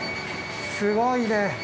すごいね。